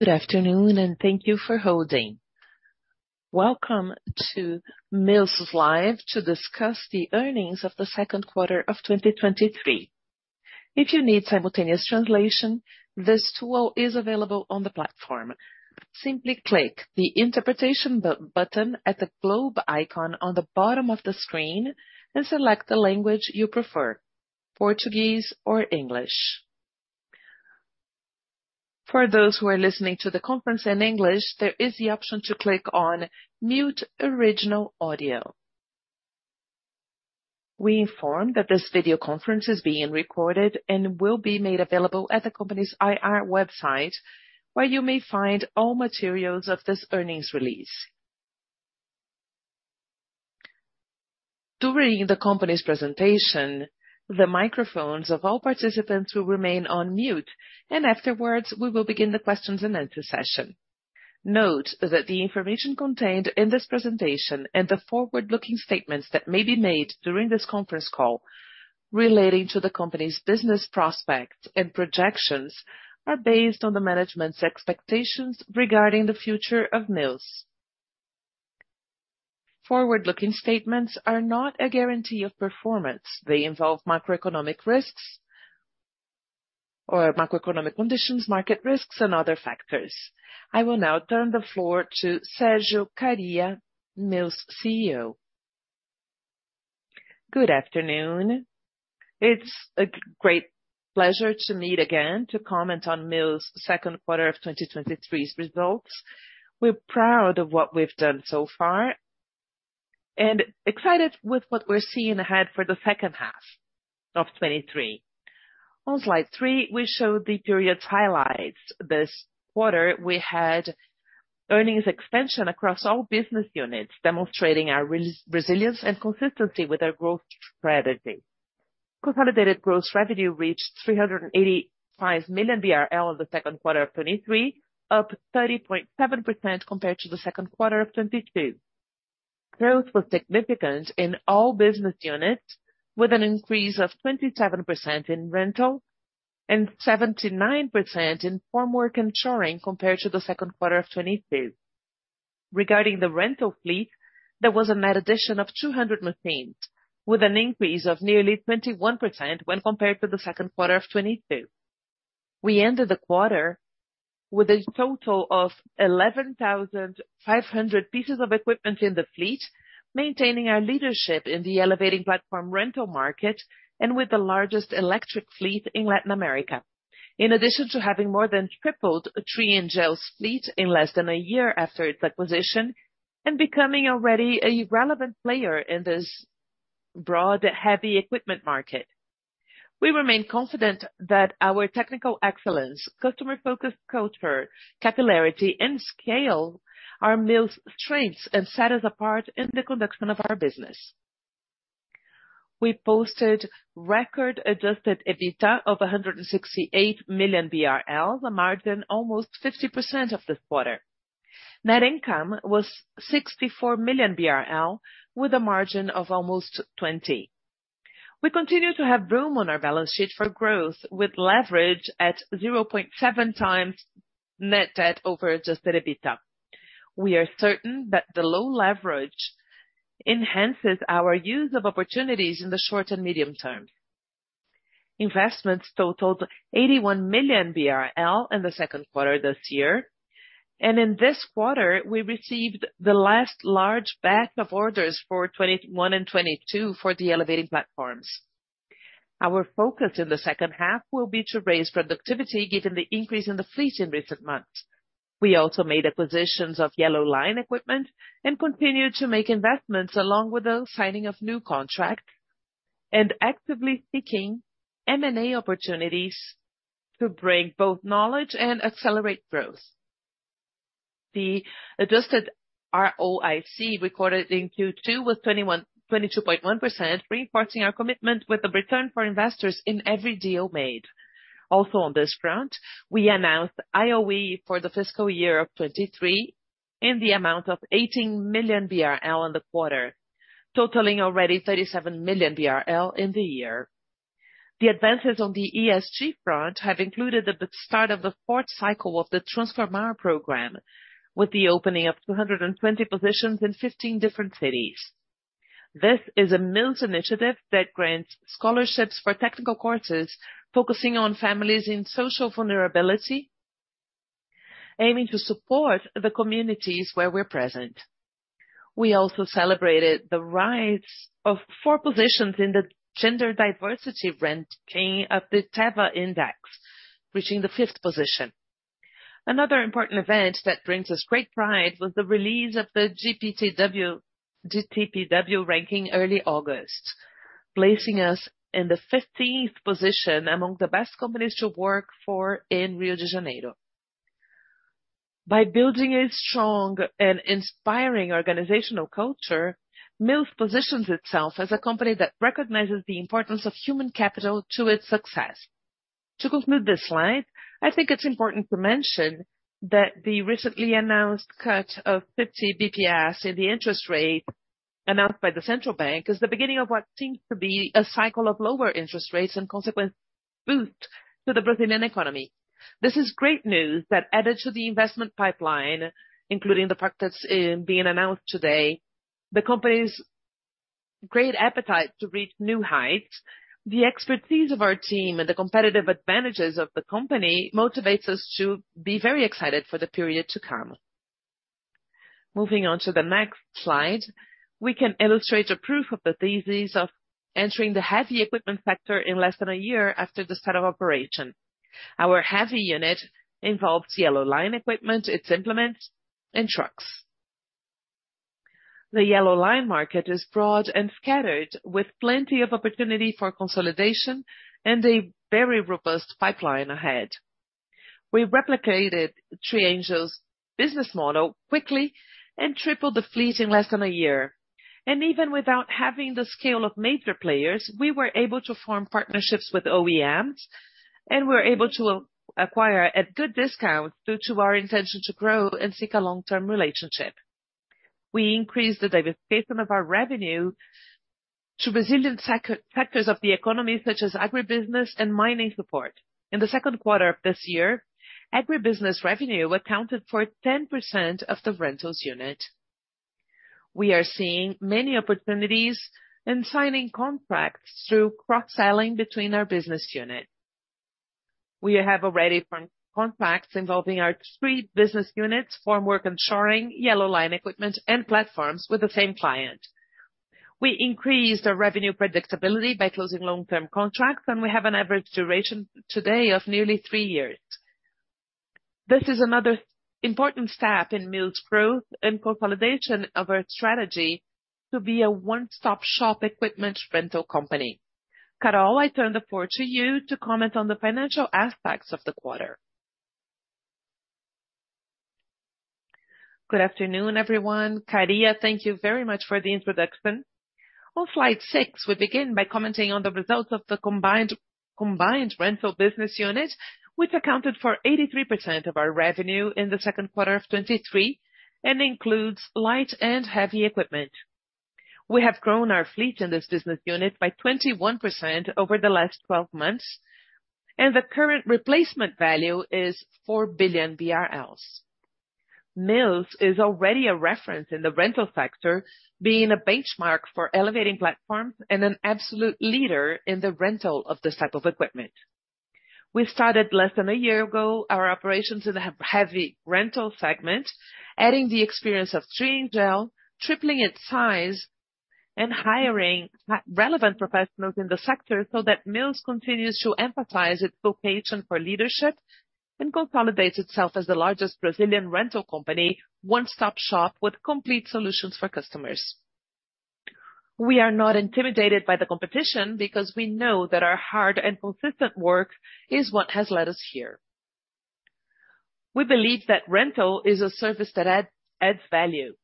Good afternoon. Thank you for holding. Welcome to Mills' live to discuss the earnings of the second quarter of 2023. If you need simultaneous translation, this tool is available on the platform. Simply click the Interpretation button at the globe icon on the bottom of the screen and select the language you prefer, Portuguese or English. For those who are listening to the conference in English, there is the option to click on Mute Original Audio. We inform that this video conference is being recorded and will be made available at the company's IR website, where you may find all materials of this earnings release. During the company's presentation, the microphones of all participants will remain on mute, and afterwards, we will begin the questions and answer session. Note that the information contained in this presentation and the forward-looking statements that may be made during this conference call relating to the company's business prospects and projections, are based on the management's expectations regarding the future of Mills. Forward-looking statements are not a guarantee of performance. They involve macroeconomic risks or macroeconomic conditions, market risks and other factors. I will now turn the floor to Sérgio Kariya, Mills' CEO. Good afternoon. It's a great pleasure to meet again to comment on Mills' second quarter of 2023's results. We're proud of what we've done so far and excited with what we're seeing ahead for the second half of 2023. On slide three, we show the period's highlights. This quarter, we had earnings expansion across all business units, demonstrating our resilience and consistency with our growth strategy. Consolidated gross revenue reached 385 million BRL in the second quarter of 2023, up 30.7% compared to the second quarter of 2022. Growth was significant in all business units, with an increase of 27% in rental and 79% in formwork and shoring compared to the second quarter of 2022. Regarding the rental fleet, there was a net addition of 200 machines, with an increase of nearly 21% when compared to the second quarter of 2022. We ended the quarter with a total of 11,500 pieces of equipment in the fleet, maintaining our leadership in the elevating platform rental market and with the largest electric fleet in Latin America. In addition to having more than tripled Triengel's fleet in less than a year after its acquisition, becoming already a relevant player in this broad, heavy equipment market. We remain confident that our technical excellence, customer-focused culture, capillarity, and scale are Mills' strengths and set us apart in the conduction of our business. We posted record adjusted EBITDA of 168 million BRL, a margin almost 50% of this quarter. Net income was 64 million BRL, with a margin of almost 20%. We continue to have room on our balance sheet for growth, with leverage at 0.7x net debt over adjusted EBITDA. We are certain that the low leverage enhances our use of opportunities in the short and medium term. Investments totaled 81 million BRL in the second quarter this year. In this quarter, we received the last large batch of orders for 2021 and 2022 for the elevating platforms. Our focus in the second half will be to raise productivity, given the increase in the fleet in recent months. We also made acquisitions of Yellow Line equipment and continued to make investments along with the signing of new contract, and actively seeking M&A opportunities to bring both knowledge and accelerate growth. The adjusted ROIC recorded in Q2 was 22.1%, reinforcing our commitment with the return for investors in every deal made. Also on this front, we announced IoE for the fiscal year of 2023 in the amount of 18 million BRL in the quarter, totaling already 37 million BRL in the year. The advances on the ESG front have included the start of the fourth cycle of the TransFORMAR program, with the opening of 220 positions in 15 different cities. This is a Mills initiative that grants scholarships for technical courses, focusing on families in social vulnerability, aiming to support the communities where we're present. We also celebrated the rise of four positions in the gender diversity ranking of the Teva index, reaching the 5th position. Another important event that brings us great pride was the release of the GPTW ranking early August, placing us in the 15th position among the best companies to work for in Rio de Janeiro. By building a strong and inspiring organizational culture, Mills positions itself as a company that recognizes the importance of human capital to its success. To conclude this slide, I think it's important to mention that the recently announced cut of 50 BPS in the interest rate announced by the central bank is the beginning of what seems to be a cycle of lower interest rates and consequent boost to the Brazilian economy. This is great news that added to the investment pipeline, including the fact that's being announced today. The company's great appetite to reach new heights, the expertise of our team and the competitive advantages of the company, motivates us to be very excited for the period to come. Moving on to the next slide, we can illustrate a proof of the thesis of entering the heavy equipment sector in less than a year after the start of operation. Our heavy unit involves Yellow Line equipment, its implements and trucks. The Yellow Line market is broad and scattered, with plenty of opportunity for consolidation and a very robust pipeline ahead. We replicated Triengel's business model quickly, tripled the fleet in less than a year. Even without having the scale of major players, we were able to form partnerships with OEMs, and we were able to acquire at good discount due to our intention to grow and seek a long-term relationship. We increased the diversification of our revenue to resilient sectors of the economy, such as agribusiness and mining support. In the second quarter of this year, agribusiness revenue accounted for 10% of the rentals unit. We are seeing many opportunities and signing contracts through cross-selling between our business unit. We have already formed contracts involving our three business units, formwork and shoring, Yellow Line equipment and platforms with the same client. We increased our revenue predictability by closing long-term contracts, and we have an average duration today of nearly three years. This is another important step in Mills' growth and consolidation of our strategy to be a one-stop shop equipment rental company. Carol, I turn the floor to you to comment on the financial aspects of the quarter. Good afternoon, everyone. Kariya, thank you very much for the introduction. On slide six, we begin by commenting on the results of the combined rental business unit, which accounted for 83% of our revenue in the second quarter of 2023, and includes light and heavy equipment. We have grown our fleet in this business unit by 21% over the last 12 months, and the current replacement value is 4 billion BRL. Mills is already a reference in the rental sector, being a benchmark for elevating platforms and an absolute leader in the rental of this type of equipment. We started less than a year ago, our operations in the heavy rental segment, adding the experience of Triengel, tripling its size and hiring relevant professionals in the sector, so that Mills continues to emphasize its vocation for leadership, and consolidates itself as the largest Brazilian rental company, one-stop shop with complete solutions for customers. We are not intimidated by the competition, because we know that our hard and consistent work is what has led us here. We believe that rental is a service that adds value.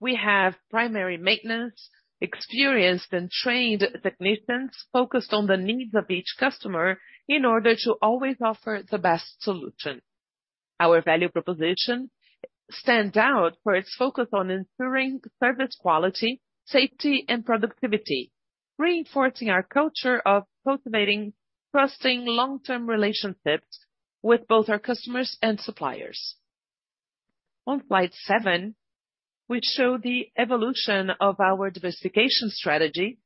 We have primary maintenance, experienced and trained technicians, focused on the needs of each customer in order to always offer the best solution. Our value proposition stands out for its focus on ensuring service quality, safety and productivity, reinforcing our culture of cultivating trusting, long-term relationships with both our customers and suppliers. On slide seven, we show the evolution of our diversification strategy,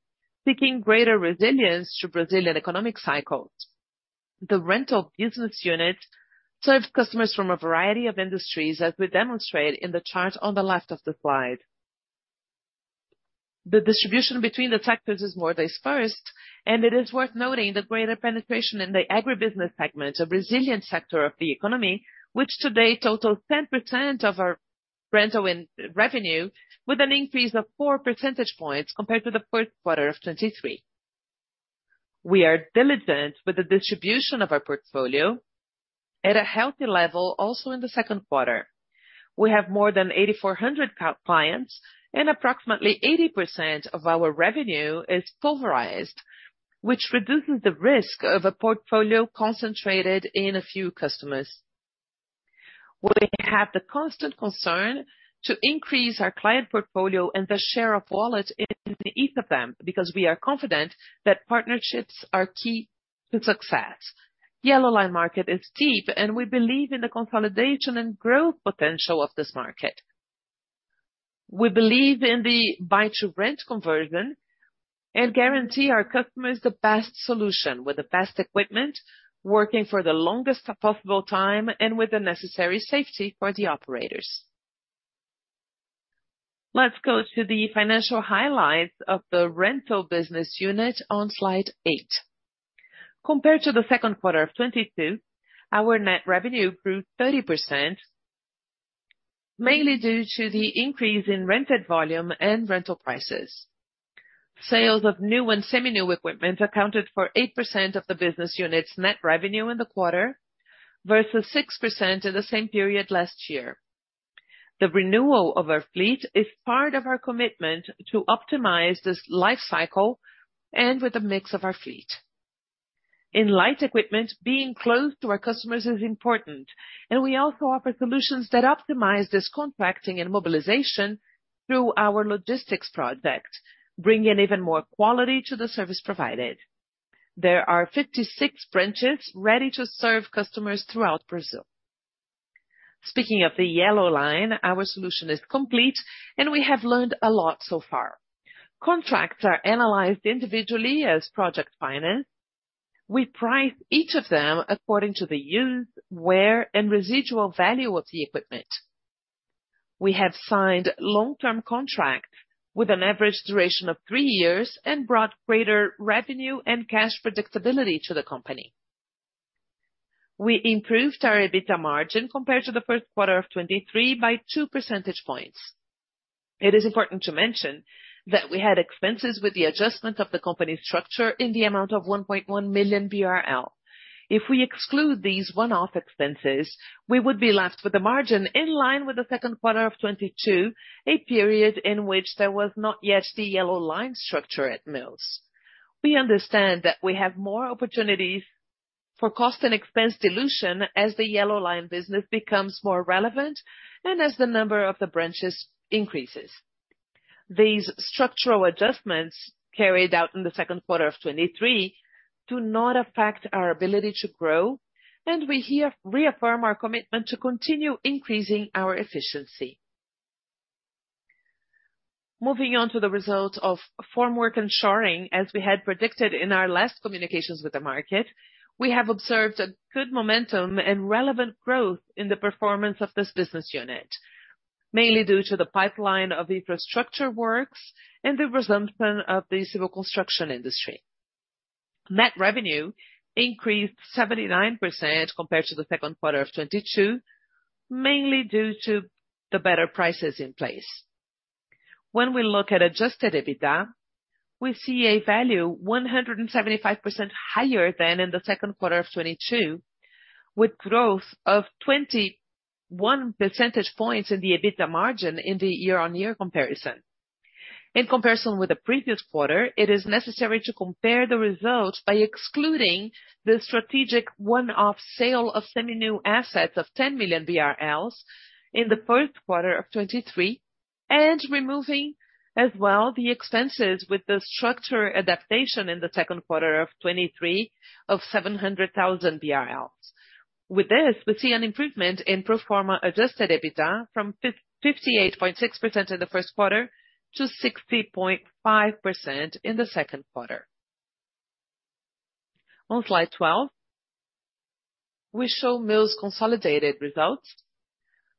seeking greater resilience to Brazilian economic cycles. The rental business unit serves customers from a variety of industries, as we demonstrate in the chart on the left of the slide. The distribution between the sectors is more dispersed, and it is worth noting the greater penetration in the agribusiness segment, a resilient sector of the economy, which today totals 10% of our rental in- revenue, with an increase of 4 percentage points compared to the first quarter of 2023. We are diligent with the distribution of our portfolio at a healthy level also in the second quarter. We have more than 8,400 clients, and approximately 80% of our revenue is pulverized, which reduces the risk of a portfolio concentrated in a few customers. We have the constant concern to increase our client portfolio and the share of wallet in each of them, because we are confident that partnerships are key to success. Yellow Line market is deep, and we believe in the consolidation and growth potential of this market. We believe in the buy-to-rent conversion, and guarantee our customers the best solution with the best equipment, working for the longest possible time, and with the necessary safety for the operators. Let's go to the financial highlights of the rental business unit on slide eight. Compared to the second quarter of 2022, our net revenue grew 30%, mainly due to the increase in rented volume and rental prices. Sales of new and semi-new equipment accounted for 8% of the business unit's net revenue in the quarter, versus 6% in the same period last year. The renewal of our fleet is part of our commitment to optimize this life cycle and with the mix of our fleet. In light equipment, being close to our customers is important, and we also offer solutions that optimize this contracting and mobilization through our logistics project, bringing even more quality to the service provided. There are 56 branches ready to serve customers throughout Brazil. Speaking of the Yellow Line, our solution is complete, and we have learned a lot so far. Contracts are analyzed individually as project finance. We price each of them according to the use, wear, and residual value of the equipment. We have signed long-term contract with an average duration of three years and brought greater revenue and cash predictability to the company. We improved our EBITDA margin compared to the first quarter of 2023 by 2 percentage points. It is important to mention that we had expenses with the adjustment of the company's structure in the amount of 1.1 million BRL. If we exclude these one-off expenses, we would be left with a margin in line with the second quarter of 2022, a period in which there was not yet the Yellow Line structure at Mills. We understand that we have more opportunities for cost and expense dilution as the Yellow Line business becomes more relevant and as the number of the branches increases. These structural adjustments, carried out in the second quarter of 2023, do not affect our ability to grow, and we reaffirm our commitment to continue increasing our efficiency. Moving on to the results of formwork and shoring, as we had predicted in our last communications with the market, we have observed a good momentum and relevant growth in the performance of this business unit, mainly due to the pipeline of infrastructure works and the resumption of the civil construction industry. Net revenue increased 79% compared to the second quarter of 2022, mainly due to the better prices in place. When we look at adjusted EBITDA, we see a value 175% higher than in the second quarter of 2022, with growth of 21 percentage points in the EBITDA margin in the year-on-year comparison. In comparison with the previous quarter, it is necessary to compare the results by excluding the strategic one-off sale of semi-new assets of 10 million BRL in the first quarter of 2023, and removing as well the expenses with the structure adaptation in the second quarter of 2023 of 700,000 BRL. With this, we see an improvement in pro forma adjusted EBITDA from 58.6% in the first quarter to 60.5% in the second quarter. On slide 12, we show Mills' consolidated results.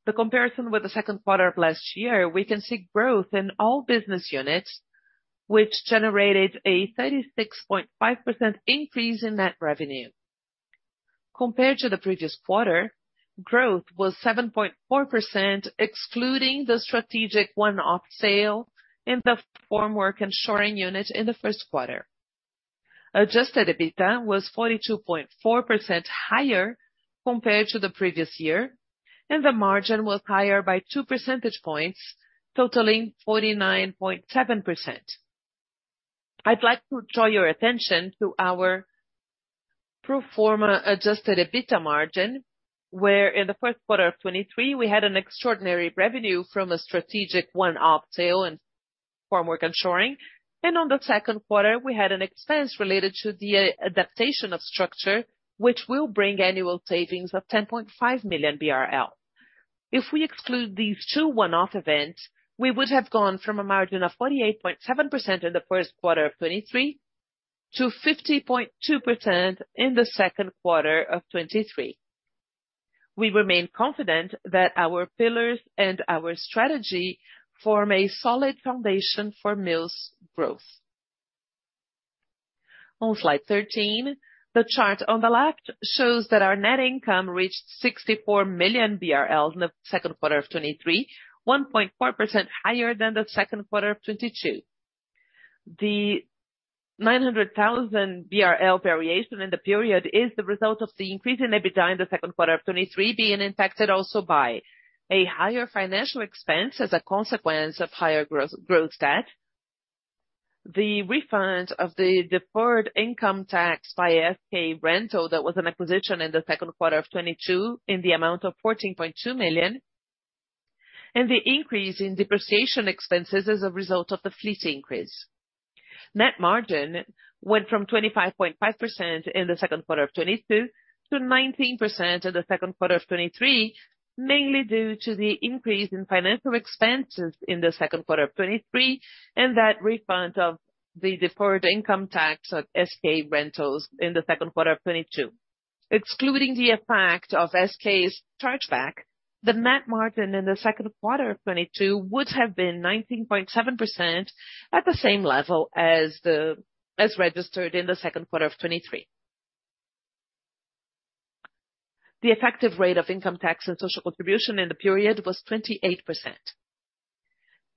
The comparison with the second quarter of last year, we can see growth in all business units, which generated a 36.5% increase in net revenue. Compared to the previous quarter, growth was 7.4%, excluding the strategic one-off sale in the formwork and shoring unit in the first quarter. Adjusted EBITDA was 42.4% higher compared to the previous year, and the margin was higher by 2 percentage points, totaling 49.7%. I'd like to draw your attention to our pro forma Adjusted EBITDA margin, where in the first quarter of 2023, we had an extraordinary revenue from a strategic one-off sale in formwork and shoring, and on the second quarter, we had an expense related to the adaptation of structure, which will bring annual savings of 10.5 million BRL. If we exclude these two one-off events, we would have gone from a margin of 48.7% in the first quarter of 2023 to 50.2% in the second quarter of 2023. We remain confident that our pillars and our strategy form a solid foundation for Mills' growth. On slide 13, the chart on the left shows that our net income reached 64 million BRL in the second quarter of 2023, 1.4% higher than the second quarter of 2022. The 900,000 BRL variation in the period is the result of the increase in EBITDA in the second quarter of 2023, being impacted also by a higher financial expense as a consequence of higher growth, growth debt, the refund of the deferred income tax by SK Rental, that was an acquisition in the second quarter of 2022, in the amount of 14.2 million, and the increase in depreciation expenses as a result of the fleet increase. Net margin went from 25.5% in the second quarter of 2022 to 19% in the second quarter of 2023, mainly due to the increase in financial expenses in the second quarter of 2023, and that refund of the deferred income tax at SK Rental in the second quarter of 2022. Excluding the effect of SK's chargeback, the net margin in the second quarter of 2022 would have been 19.7%, at the same level as registered in the second quarter of 2023. The effective rate of income tax and social contribution in the period was 28%.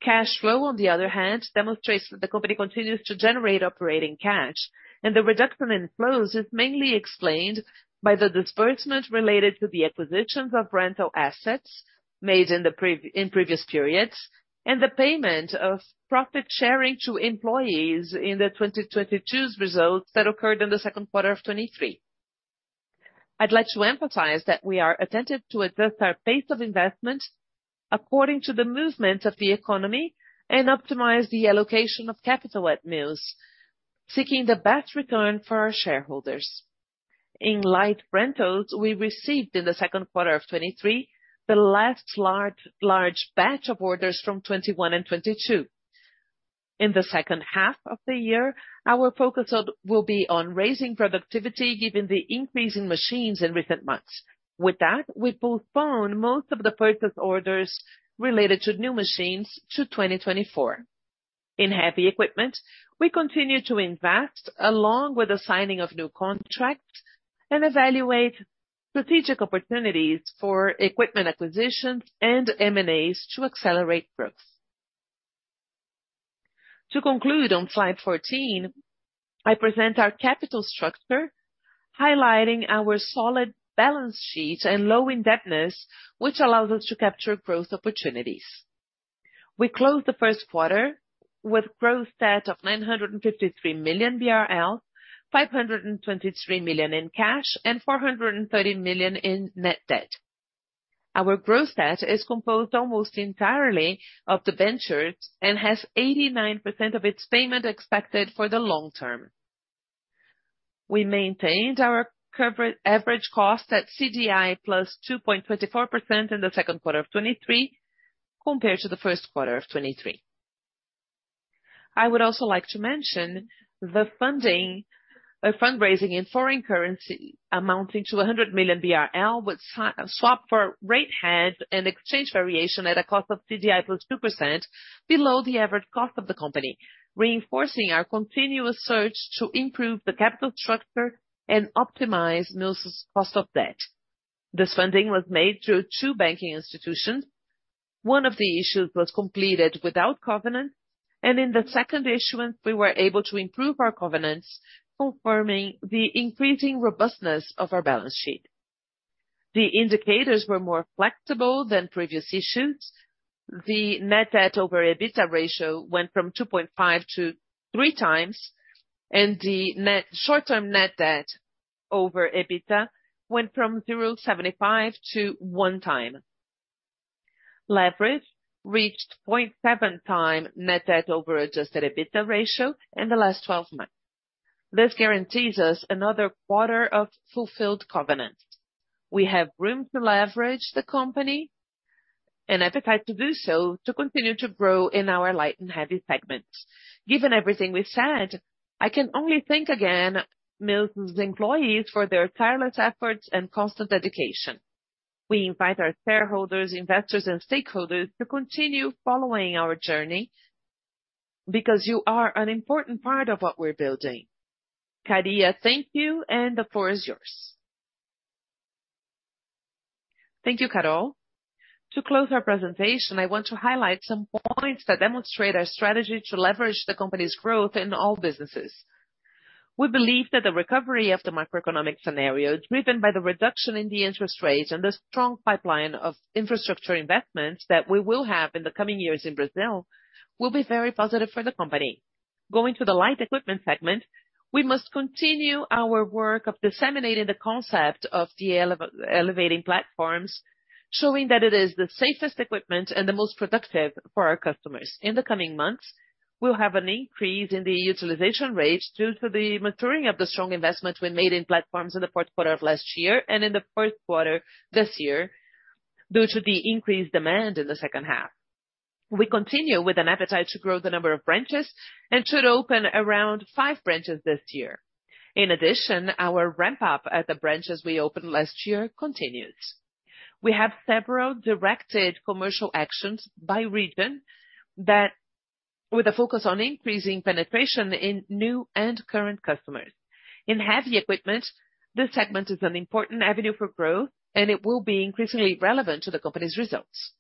Cash flow, on the other hand, demonstrates that the company continues to generate operating cash, and the reduction in flows is mainly explained by the disbursement related to the acquisitions of rental assets made in previous periods, and the payment of profit sharing to employees in the 2022's results that occurred in the second quarter of 2023. I'd like to emphasize that we are attentive to adjust our pace of investment according to the movement of the economy, and optimize the allocation of capital at Mills, seeking the best return for our shareholders. In light rentals, we received in the second quarter of 2023, the last large, large batch of orders from 2021 and 2022. In the second half of the year, our focus will be on raising productivity, given the increase in machines in recent months. With that, we postpone most of the purchase orders related to new machines to 2024. In heavy equipment, we continue to invest, along with the signing of new contracts, and evaluate strategic opportunities for equipment acquisitions and M&As to accelerate growth. To conclude, on slide 14, I present our capital structure, highlighting our solid balance sheet and low indebtedness, which allows us to capture growth opportunities. We closed the first quarter with gross debt of 953 million BRL, 523 million in cash, and 430 million in net debt. Our gross debt is composed almost entirely of the venture, and has 89% of its payment expected for the long term. We maintained our average cost at CDI +2.24% in the second quarter of 2023, compared to the first quarter of 2023. I would also like to mention the fundraising in foreign currency, amounting to 100 million BRL, with swap for rate hedge and exchange variation at a cost of CDI +2%, below the average cost of the company, reinforcing our continuous search to improve the capital structure and optimize Mills' cost of debt. This funding was made through two banking institutions. One of the issues was completed without covenant. In the second issuance, we were able to improve our covenants, confirming the increasing robustness of our balance sheet. The indicators were more flexible than previous issues. The net debt over EBITDA ratio went from 2.5x to 3x. Short-term net debt over EBITDA went from 0.75x to 1 x. Leverage reached 0.7 times net debt over adjusted EBITDA ratio in the last 12 months. This guarantees us another quarter of fulfilled covenant. We have room to leverage the company, and appetite to do so, to continue to grow in our light and heavy segments. Given everything we've said, I can only thank again, Mills' employees for their tireless efforts and constant dedication. We invite our shareholders, investors, and stakeholders to continue following our journey, because you are an important part of what we're building. Kariya, thank you, and the floor is yours. Thank you, Carol. To close our presentation, I want to highlight some points that demonstrate our strategy to leverage the company's growth in all businesses. We believe that the recovery of the macroeconomic scenario, driven by the reduction in the interest rates and the strong pipeline of infrastructure investments that we will have in the coming years in Brazil, will be very positive for the company. Going to the light equipment segment, we must continue our work of disseminating the concept of the elevating platforms, showing that it is the safest equipment and the most productive for our customers. In the coming months, we'll have an increase in the utilization rates due to the maturing of the strong investment we made in platforms in the fourth quarter of last year, and in the first quarter this year, due to the increased demand in the second half. We continue with an appetite to grow the number of branches, and should open around five branches this year. In addition, our ramp up at the branches we opened last year continues. We have several directed commercial actions by region, that with a focus on increasing penetration in new and current customers. In heavy equipment, this segment is an important avenue for growth, and it will be increasingly relevant to the company's results.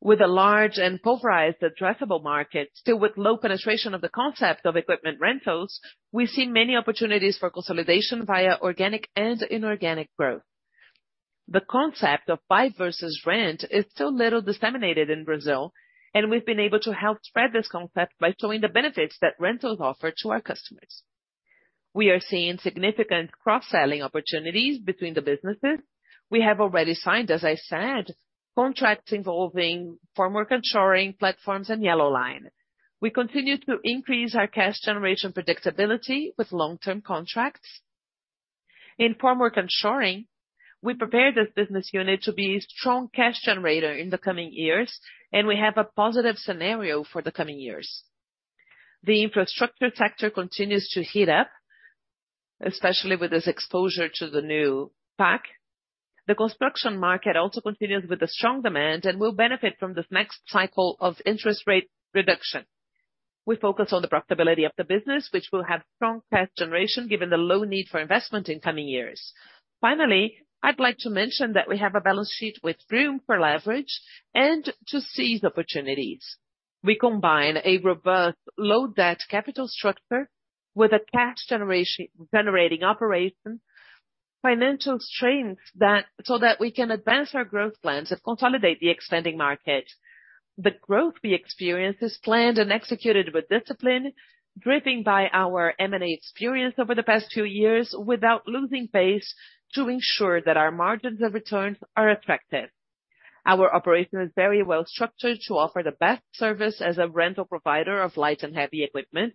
With a large and pulverized addressable market, still with low penetration of the concept of equipment rentals, we've seen many opportunities for consolidation via organic and inorganic growth. The concept of buy versus rent is still little disseminated in Brazil, and we've been able to help spread this concept by showing the benefits that rentals offer to our customers. We are seeing significant cross-selling opportunities between the businesses. We have already signed, as I said, contracts involving Formwork and Shoring platforms and Yellow Line. We continue to increase our cash generation predictability with long-term contracts. In formwork and shoring, we prepared this business unit to be a strong cash generator in the coming years, and we have a positive scenario for the coming years. The infrastructure sector continues to heat up, especially with this exposure to the new PAC. The construction market also continues with the strong demand, will benefit from this next cycle of interest rate reduction. We focus on the profitability of the business, which will have strong cash generation, given the low need for investment in coming years. Finally, I'd like to mention that we have a balance sheet with room for leverage and to seize opportunities. We combine a robust load debt capital structure, with a cash-generating operation, financial strength, so that we can advance our growth plans and consolidate the expanding market. The growth we experience is planned and executed with discipline, driven by our M&A experience over the past two years, without losing pace, to ensure that our margins and returns are affected....Our operation is very well structured to offer the best service as a rental provider of light and heavy equipment,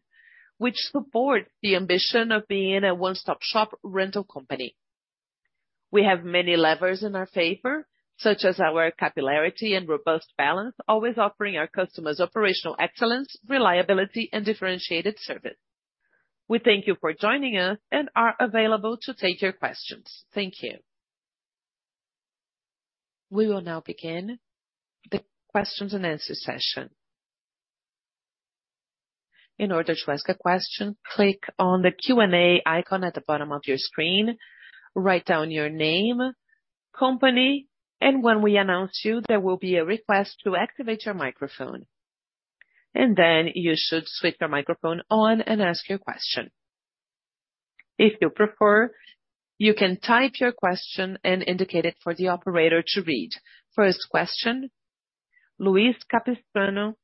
which support the ambition of being a one-stop shop rental company. We have many levers in our favor, such as our capillarity and robust balance, always offering our customers operational excellence, reliability, and differentiated service. We thank you for joining us and are available to take your questions. Thank you. We will now begin the questions and answer session. In order to ask a question, click on the Q&A icon at the bottom of your screen, write down your name, company, and when we announce you, there will be a request to activate your microphone. Then you should switch your microphone on and ask your question. If you prefer, you can type your question and indicate it for the operator to read. First question, Luiz Capistrano,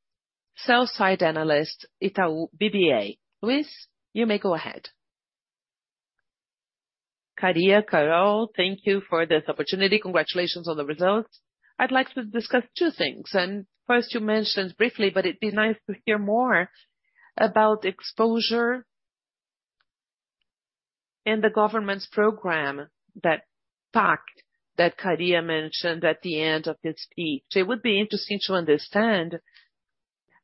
sell-side analyst, Itaú BBA. Luiz, you may go ahead. Kariya, Carol, thank you for this opportunity. Congratulations on the results. I'd like to discuss two things, and first, you mentioned briefly, but it'd be nice to hear more about exposure in the government's program, that PAC that Kariya mentioned at the end of his speech. It would be interesting to understand,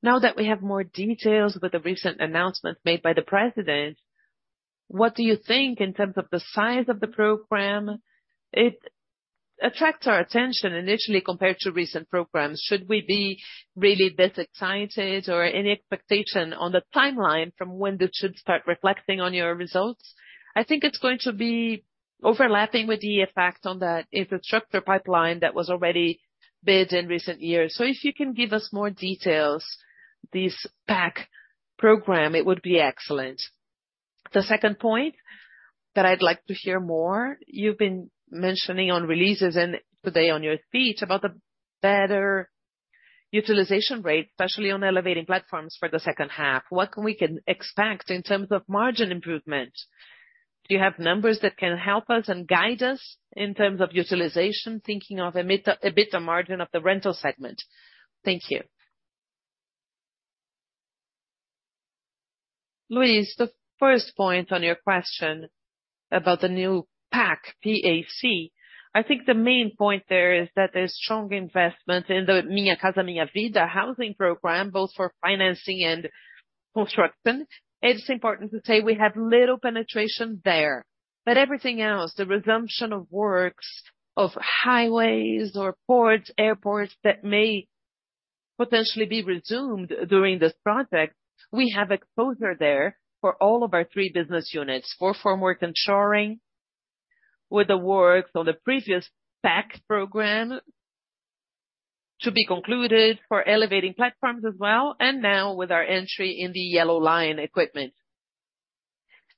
now that we have more details about the recent announcement made by the president, what do you think in terms of the size of the program? It attracts our attention initially, compared to recent programs. Should we be really this excited or any expectation on the timeline from when this should start reflecting on your results? I think it's going to be overlapping with the effect on that, if the structure pipeline that was already bid in recent years. If you can give us more details, this PAC program, it would be excellent. The second point that I'd like to hear more, you've been mentioning on releases and today on your speech, about the better utilization rate, especially on elevating platforms for the second half. What can we expect in terms of margin improvement? Do you have numbers that can help us and guide us in terms of utilization, thinking of EBITDA, EBITDA margin of the rental segment? Thank you. Luis, the first point on your question about the new PAC, P-A-C. I think the main point there is that there's strong investment in the Minha Casa, Minha Vida housing program, both for financing and construction. It's important to say we have little penetration there. Everything else, the resumption of works, of highways or ports, airports, that may potentially be resumed during this project, we have exposure there for all of our three business units. For formwork and shoring, with the works on the previous PAC program to be concluded, for elevating platforms as well, and now with our entry in the Yellow Line equipment.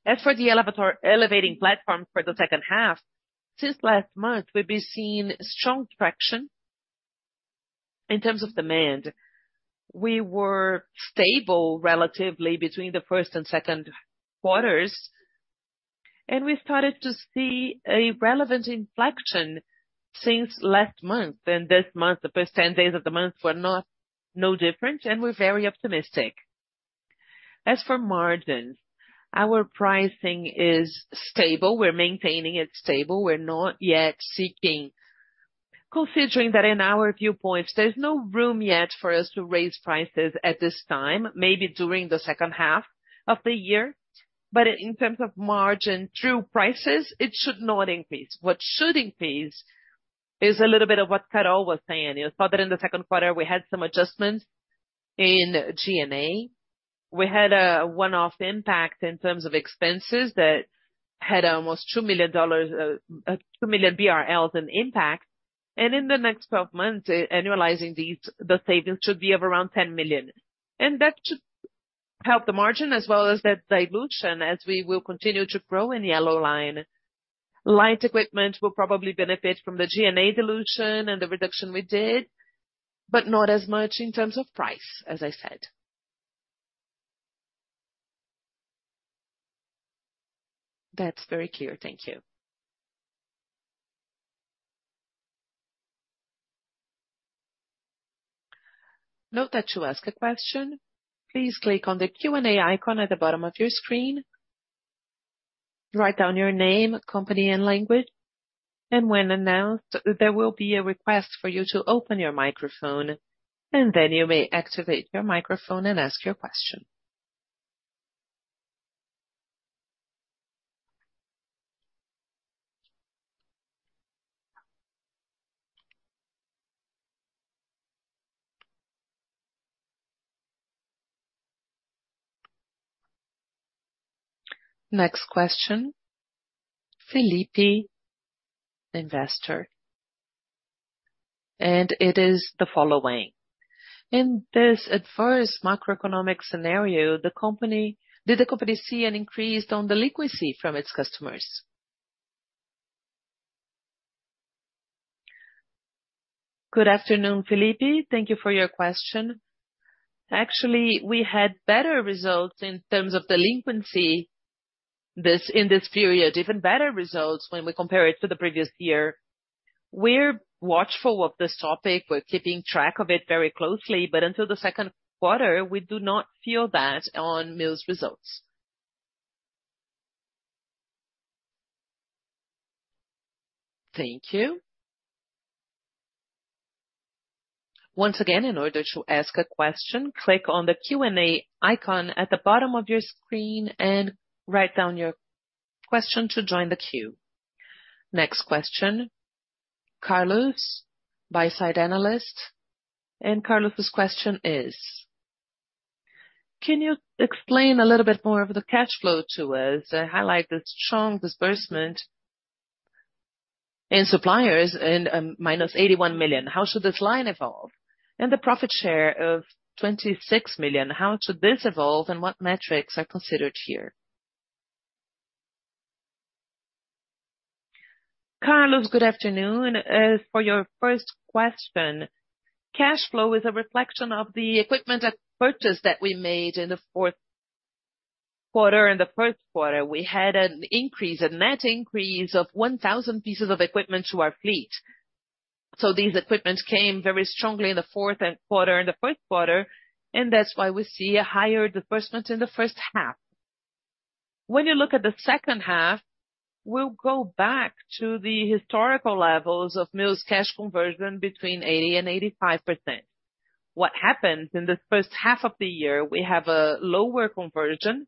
As for the elevating platform for the second half, since last month, we've been seeing strong traction in terms of demand. We were stable, relatively, between the Q1 and Q2 quarters, and we started to see a relevant inflection since last month. This month, the first 10 days of the month were not no different, and we're very optimistic. As for margins, our pricing is stable. We're maintaining it stable. We're not yet seeking... Considering that in our viewpoints, there's no room yet for us to raise prices at this time, maybe during the second half of the year. In terms of margin, through prices, it should not increase. What should increase is a little bit of what Carol was saying. You saw that in the second quarter, we had some adjustments in G&A. We had a one-off impact in terms of expenses that had almost $2 million, 2 million BRL in impact, and in the next 12 months, annualizing these, the savings should be of around 10 million. That should help the margin as well as that dilution, as we will continue to grow in Yellow Line. Light equipment will probably benefit from the G&A dilution and the reduction we did, but not as much in terms of price, as I said. That's very clear. Thank you. Note that to ask a question, please click on the Q&A icon at the bottom of your screen. Write down your name, company, and language, when announced, there will be a request for you to open your microphone, then you may activate your microphone and ask your question. Next question, Felipe, investor, it is the following: In this adverse macroeconomic scenario, did the company see an increase on delinquency from its customers? Good afternoon, Felipe. Thank you for your question. Actually, we had better results in terms of delinquency, this, in this period, even better results when we compare it to the previous year. We're watchful of this topic, we're keeping track of it very closely, but until the second quarter, we do not feel that on Mills results. Thank you. Once again, in order to ask a question, click on the Q&A icon at the bottom of your screen and write down your question to join the queue. Next question, Carlos, Buy-side analyst, and Carlos' question is: "Can you explain a little bit more of the cash flow to us? I highlight the strong disbursement in suppliers and -81 million. How should this line evolve? The profit share of 26 million, how should this evolve, and what metrics are considered here?" Carlos, good afternoon. For your first question, cash flow is a reflection of the equipment at purchase that we made in the fourth quarter. In the first quarter, we had an increase, a net increase of 1,000 pieces of equipment to our fleet. These equipments came very strongly in the fourth quarter, in the first quarter, and that's why we see a higher disbursement in the first half. When you look at the second half, we'll go back to the historical levels of Mills cash conversion between 80%-85%. What happens in this first half of the year, we have a lower conversion,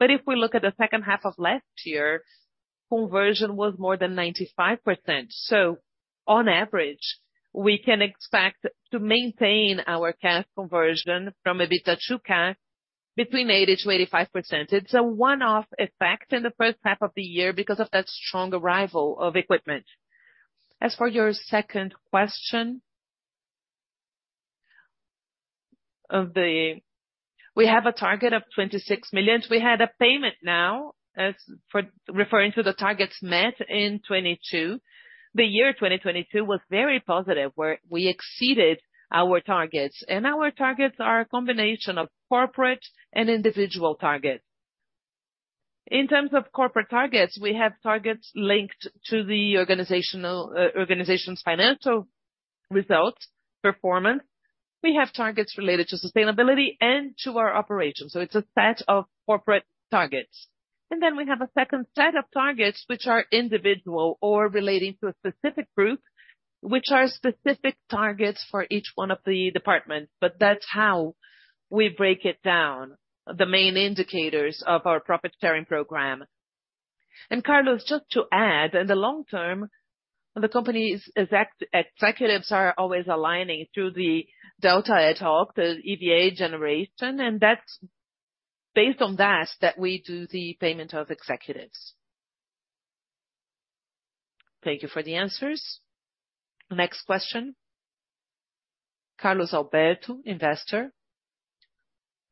but if we look at the second half of last year, conversion was more than 95%. On average, we can expect to maintain our cash conversion from EBITDA to cash between 80%-85%. It's a one-off effect in the first half of the year because of that strong arrival of equipment. As for your second question, We have a target of 26 million. We had a payment now, referring to the targets met in 2022. The year 2022 was very positive, where we exceeded our targets. Our targets are a combination of corporate and individual targets. In terms of corporate targets, we have targets linked to the organizational, organization's financial results, performance. We have targets related to sustainability and to our operations, so it's a set of corporate targets. Then we have a second set of targets which are individual or relating to a specific group, which are specific targets for each one of the departments, but that's how we break it down, the main indicators of our profit-sharing program. Carlos, just to add, in the long term, the company's executives are always aligning through the delta ad hoc, the EVA generation, and that's based on that, that we do the payment of executives. Thank you for the answers. Next question, Carlos Alberto, investor.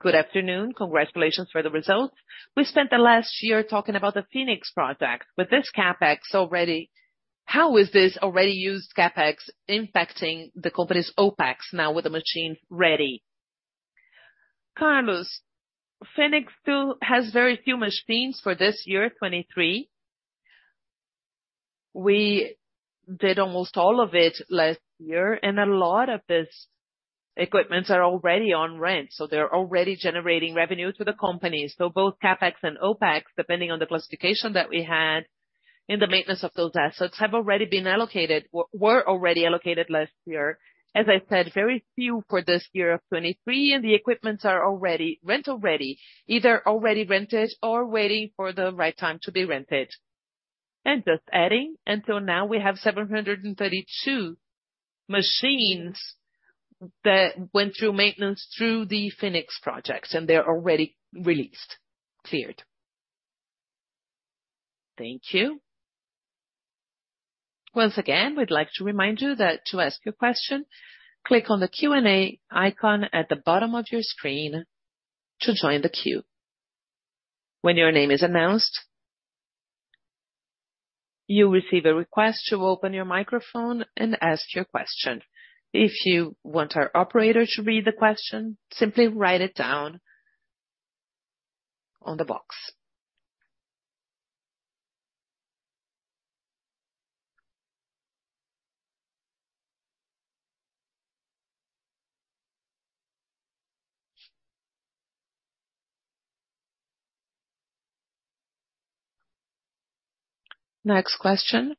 Good afternoon. Congratulations for the result. We spent the last year talking about the Phoenix project. With this CapEx already, how is this already used CapEx impacting the company's OpEx now with the machine ready? Carlos, Phoenix still has very few machines for this year, 2023. We did almost all of it last year, and a lot of these equipments are already on rent, so they're already generating revenue to the company. Both CapEx and OpEx, depending on the classification that we had in the maintenance of those assets, have already been allocated, were already allocated last year. As I said, very few for this year of 2023, and the equipments are already rental ready, either already rented or waiting for the right time to be rented. Just adding, until now, we have 732 machines that went through maintenance through the Phoenix projects, and they're already released, cleared. Thank you. Once again, we'd like to remind you that to ask your question, click on the Q&A icon at the bottom of your screen to join the queue. When your name is announced, you'll receive a request to open your microphone and ask your question. If you want our operator to read the question, simply write it down on the box. Next question.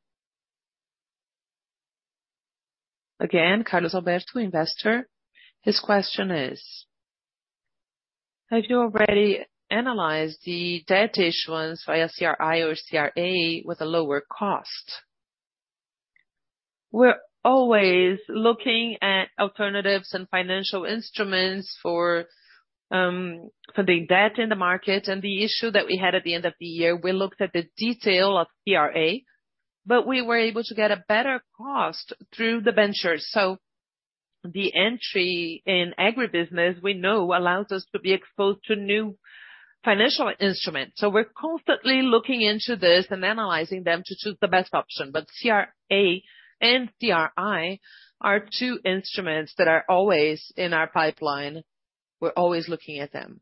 Again, Carlos Alberto, investor. His question is: "Have you already analyzed the debt issuance via CRI or CRA with a lower cost?" We're always looking at alternatives and financial instruments for, for the debt in the market. The issue that we had at the end of the year, we looked at the detail of CRA, but we were able to get a better cost through the ventures. The entry in agribusiness, we know, allows us to be exposed to new financial instruments. We're constantly looking into this and analyzing them to choose the best option. CRA and CRI are two instruments that are always in our pipeline. We're always looking at them.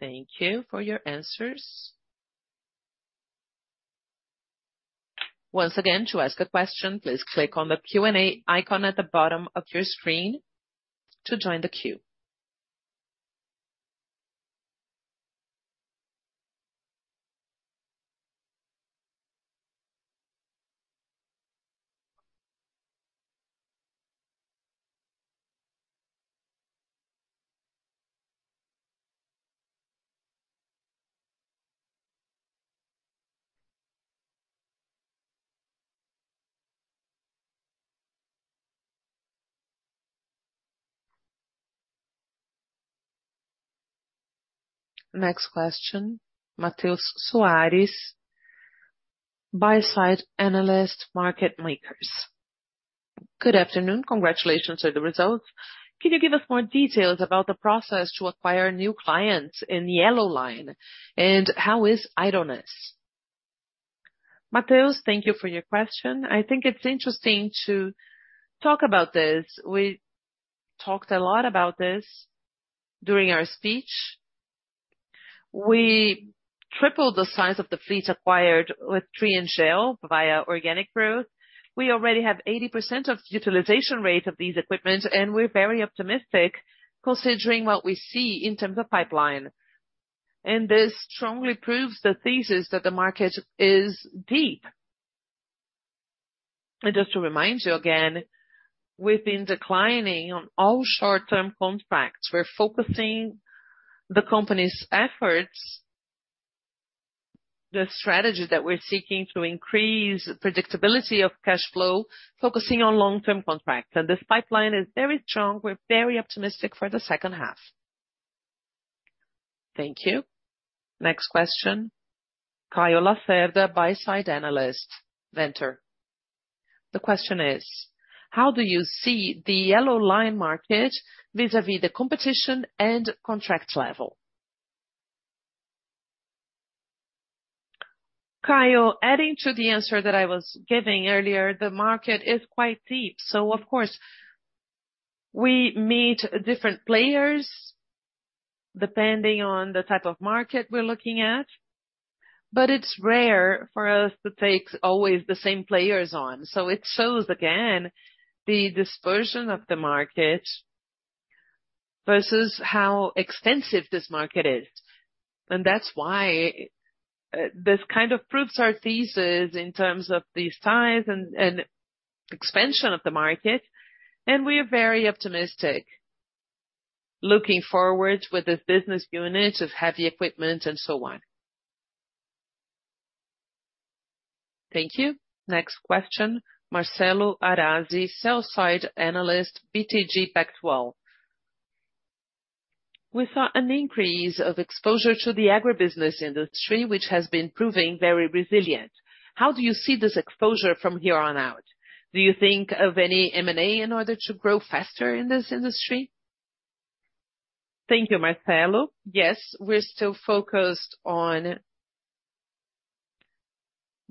Thank you for your answers. Once again, to ask a question, please click on the Q&A icon at the bottom of your screen to join the queue. Next question, Matheus Soares, Buy-side Analyst Market Makers. Good afternoon. Congratulations on the results. Can you give us more details about the process to acquire new clients in Yellow Line, and how is idleness? Matheus, thank you for your question. I think it's interesting to talk about this. We talked a lot about this during our speech. We tripled the size of the fleet acquired with Triengel via organic growth. We already have 80% of utilization rate of these equipments. We're very optimistic considering what we see in terms of pipeline. This strongly proves the thesis that the market is deep. Just to remind you again, we've been declining on all short-term contracts. We're focusing the company's efforts, the strategy that we're seeking to increase predictability of cash flow, focusing on long-term contracts. This pipeline is very strong. We're very optimistic for the second half. Thank you. Next question, Caio Lacerda, Buy-side Analyst, Ventor. The question is: How do you see the Yellow Line market vis-a-vis the competition and contract level? Caio, adding to the answer that I was giving earlier, the market is quite deep, so of course, we meet different players depending on the type of market we're looking at, but it's rare for us to take always the same players on. It shows, again, the dispersion of the market versus how extensive this market is. That's why, this kind of proves our thesis in terms of the size and, and expansion of the market, and we are very optimistic looking forward with this business unit of heavy equipment and so on. Thank you. Next question, Marcelo Arazi, Sell-side Analyst, BTG Pactual. We saw an increase of exposure to the agribusiness industry, which has been proving very resilient. How do you see this exposure from here on out? Do you think of any M&A in order to grow faster in this industry? Thank you, Marcelo. Yes, we're still focused on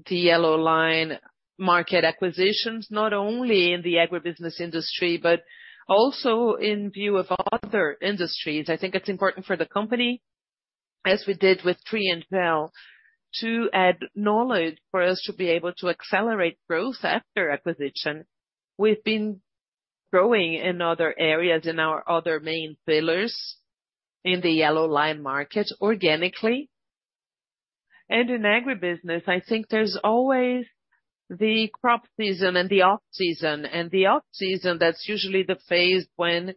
the Yellow Line market acquisitions, not only in the agribusiness industry, but also in view of other industries. I think it's important for the company, as we did with Tree and Shell, to add knowledge for us to be able to accelerate growth after acquisition. We've been growing in other areas in our other main pillars in the Yellow Line market organically. In agribusiness, I think there's always the crop season and the off-season. The off-season, that's usually the phase when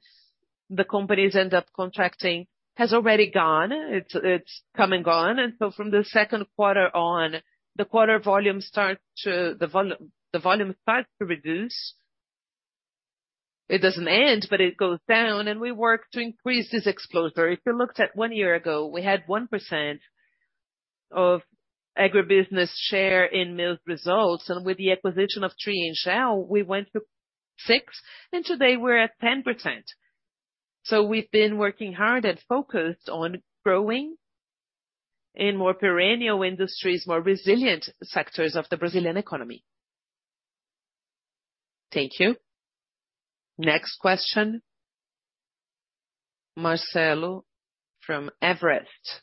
the companies end up contracting, has already gone. It's come and gone. From the second quarter on, the quarter volume starts to reduce. It doesn't end, but it goes down, and we work to increase this exposure. If you looked at one year ago, we had 1% of agribusiness share in Mills results, and with the acquisition of Tree and Shell, we went to 6, and today we're at 10%. We've been working hard and focused on growing in more perennial industries, more resilient sectors of the Brazilian economy. Thank you. Next question, Marcelo from Everest.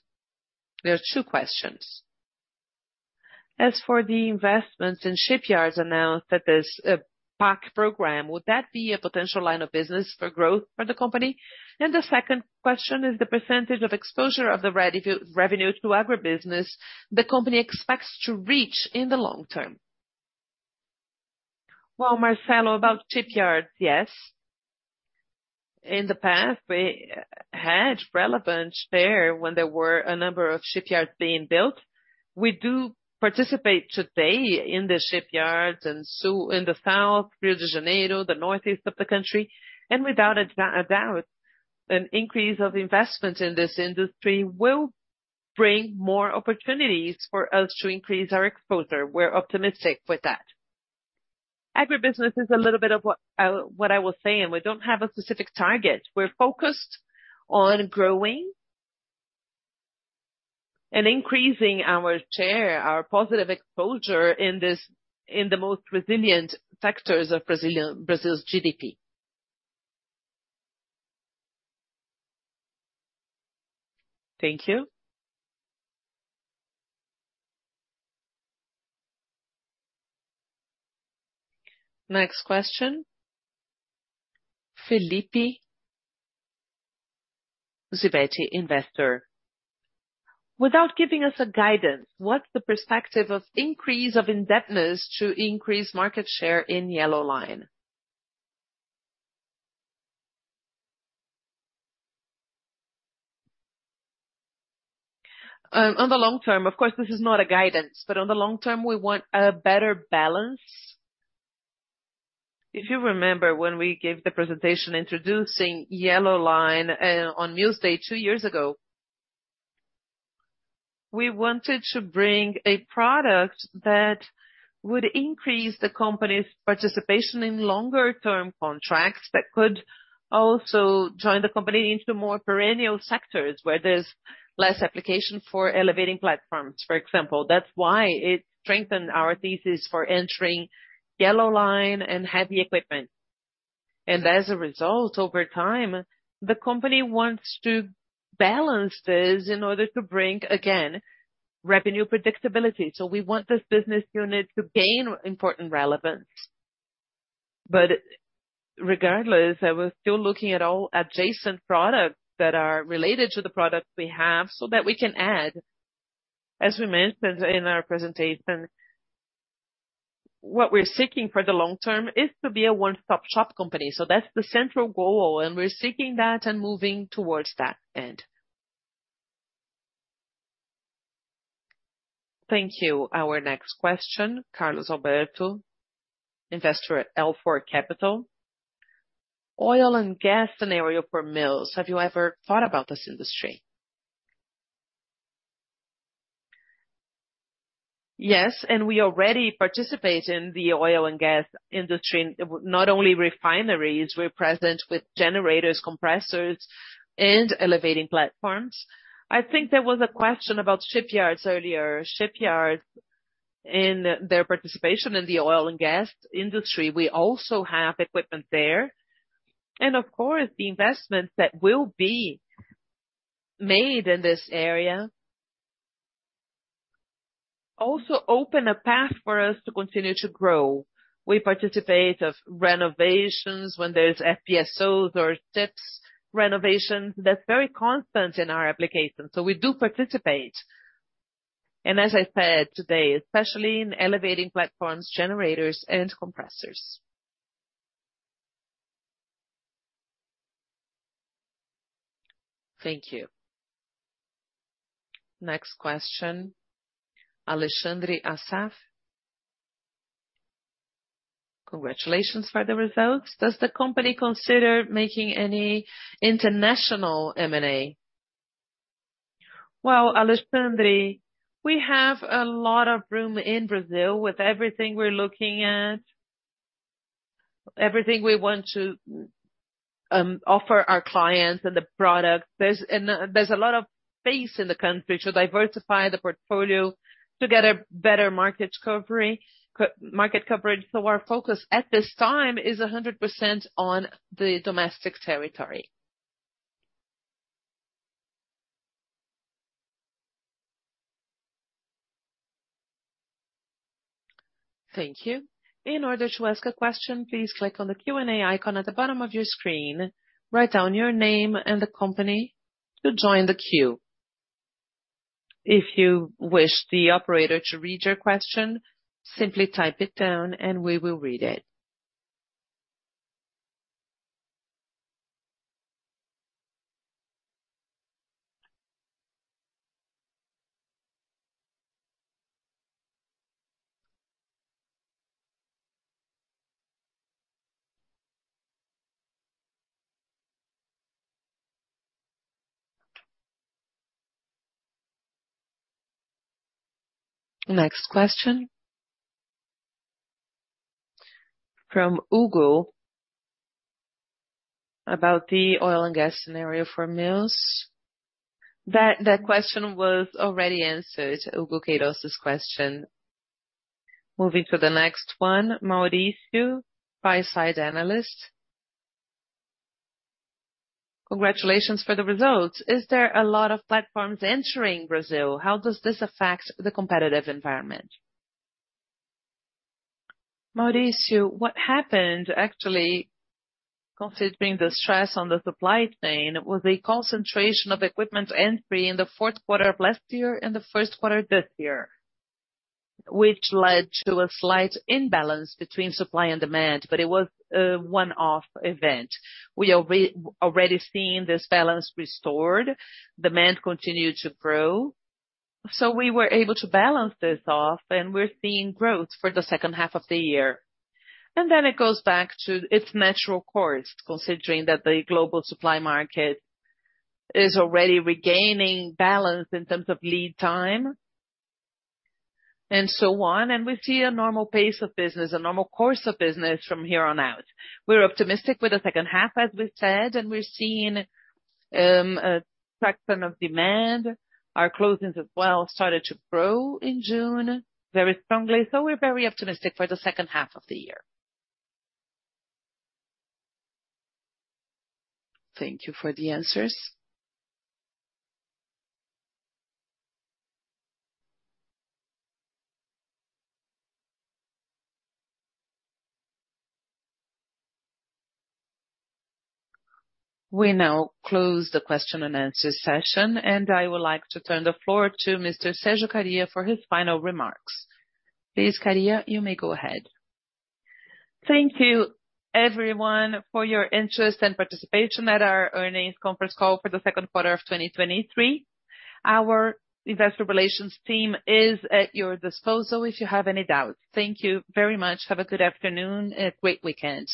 There are two questions. As for the investments in shipyards announced that this PAC program, would that be a potential line of business for growth for the company? The second question is the % of exposure of the revenue to agribusiness the company expects to reach in the long term. Well, Marcelo, about shipyards, yes. In the past, we had relevance there when there were a number of shipyards being built. We do participate today in the shipyards, and so in the south, Rio de Janeiro, the northeast of the country, and without a doubt, an increase of investment in this industry will bring more opportunities for us to increase our exposure. We're optimistic with that. Agribusiness is a little bit of what, what I will say, and we don't have a specific target. We're focused on increasing our share, our positive exposure in this, in the most resilient sectors of Brazil's GDP. Thank you. Next question, Felipe Zubeti, investor. Without giving us a guidance, what's the perspective of increase of indebtedness to increase market share in Yellow Line? On the long term, of course, this is not a guidance, but on the long term, we want a better balance. If you remember, when we gave the presentation introducing Yellow Line, on Mills Day two years ago, we wanted to bring a product that would increase the company's participation in longer term contracts, that could also join the company into more perennial sectors, where there's less application for elevating platforms, for example. That's why it strengthened our thesis for entering Yellow Line and heavy equipment. As a result, over time, the company wants to balance this in order to bring, again, revenue predictability. We want this business unit to gain important relevance. Regardless, I was still looking at all adjacent products that are related to the products we have, so that we can add. As we mentioned in our presentation, what we're seeking for the long term is to be a one-stop-shop company. That's the central goal, and we're seeking that and moving towards that end. Thank you. Our next question, Carlos Alberto, investor at L4 Capital. Oil and gas scenario for Mills, have you ever thought about this industry? Yes, we already participate in the oil and gas industry. Not only refineries, we're present with generators, compressors, and elevating platforms. I think there was a question about shipyards earlier. Shipyards and their participation in the oil and gas industry, we also have equipment there. Of course, the investments that will be made in this area, also open a path for us to continue to grow. We participate of renovations when there's FPSOs or tips renovations. That's very constant in our application, so we do participate. As I said today, especially in elevating platforms, generators, and compressors. Thank you. Next question, Alexandre Assaf. Congratulations for the results. Does the company consider making any international M&A? Well, Alexandre, we have a lot of room in Brazil with everything we're looking at, everything we want to offer our clients and the products. There's a lot of space in the country to diversify the portfolio, to get a better market coverage, co- market coverage. Our focus at this time is 100% on the domestic territory. Thank you. In order to ask a question, please click on the Q&A icon at the bottom of your screen. Write down your name and the company to join the queue. If you wish the operator to read your question, simply type it down and we will read it. Next question. From Hugo, about the oil and gas scenario for Mills. That question was already answered, Hugo Queiroz's question. Moving to the next one, Mauricio, buy-side analyst. Congratulations for the results. Is there a lot of platforms entering Brazil? How does this affect the competitive environment? Mauricio, what happened, actually, considering the stress on the supply chain, was a concentration of equipment entry in the fourth quarter of last year and the first quarter of this year, which led to a slight imbalance between supply and demand, but it was a one-off event. We are already seeing this balance restored. Demand continued to grow, so we were able to balance this off, and we're seeing growth for the second half of the year. Then it goes back to its natural course, considering that the global supply market is already regaining balance in terms of lead time, and so on. We see a normal pace of business, a normal course of business from here on out. We're optimistic with the second half, as we said, and we're seeing a traction of demand. Our closings as well, started to grow in June, very strongly, so we're very optimistic for the second half of the year. Thank you for the answers. We now close the question and answer session. I would like to turn the floor to Mr. Sergio Kariya for his final remarks. Please, Kariya, you may go ahead. Thank you everyone for your interest and participation at our earnings conference call for the second quarter of 2023. Our investor relations team is at your disposal, if you have any doubts. Thank you very much. Have a good afternoon and a great weekend.